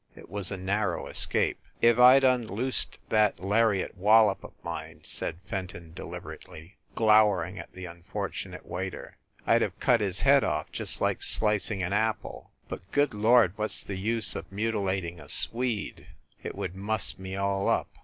It was a narrow escape. "If I d unloosed that lariat wallop of mine," said Fenton deliberately, glowering at the unfortunate waiter, "I d have cut his head off just like slicing an apple. But, good Lord, what s the use of muti lating a Swede? It would muss me all up."